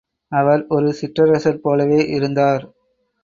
அவர் ஒரு சிற்றரசர் போலவே இருந்தார்.